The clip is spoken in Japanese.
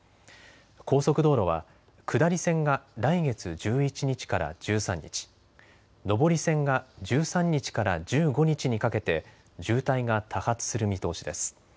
高速道路は下り線が来月１１日から１３日、上り線が１３日から１５日にかけて渋滞が多発する見通しです。